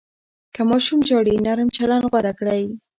که ماشوم ژاړي، نرم چلند غوره کړئ.